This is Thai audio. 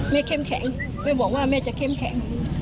ม่าแข็งแข็งแม่บอกว่าแม่จะแข็งแข็ง